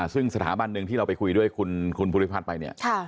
ซึ่งสถาบันหนึ่งที่เราไปคุยด้วยคุณภูริพัฒน์ไปเนี่ย